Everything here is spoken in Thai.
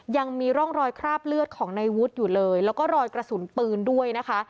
ยังมีร่องรอยคราบเลือดของในวุฒิอยู่เลยแล้วก็รอยกระสุนปืนด้วยนะคะ